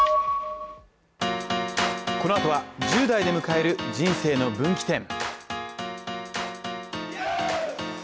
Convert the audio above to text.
このあとは、１０代で迎える人生の分岐点。